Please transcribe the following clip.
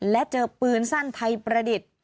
และเจอปืนสั้นไทยประดิษฐ์